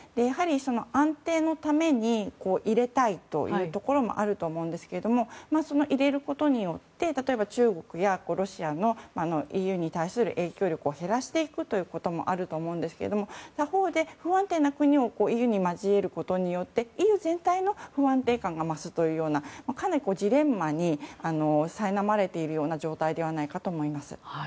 安定のために入れたいというところもあると思うんですけど入れることによって例えば、中国やロシアのＥＵに対する影響力を減らしていくということもあると思うんですけれども他方で不安定な国をＥＵに交えることによってＥＵ全体の不安定感が増すというようなかなりジレンマにさいなまれているような状態ではないかと思います。